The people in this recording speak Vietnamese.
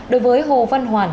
đối với hồ văn hoàn